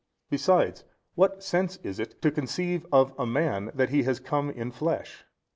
Besides what sense has it, to conceive of a man that he has come in flesh?